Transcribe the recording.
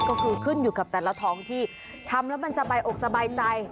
ก็คือขึ้นอยู่กับแต่ละท้องที่ทำแล้วมันสบายอกสบายใจ